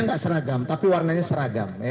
enggak seragam tapi warnanya seragam